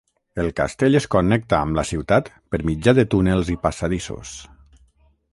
El castell es connecta amb la ciutat per mitjà de túnels i passadissos.